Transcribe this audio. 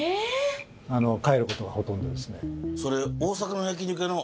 あの帰ることがほとんどですね。